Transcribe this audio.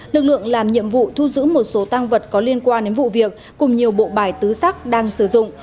lực lượng làm nhiệm vụ thu giữ một số tăng vật có liên quan đến vụ việc cùng nhiều bộ bài tứ sắc đang sử dụng